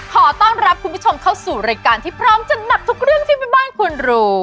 ขอต้อนรับคุณผู้ชมเข้าสู่รายการที่พร้อมจัดหนักทุกเรื่องที่แม่บ้านควรรู้